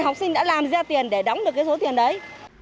học sinh đã làm ra tiền để đóng được cái số tiền đấy